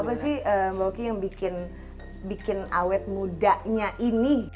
apa sih mbak oki yang bikin awet mudanya ini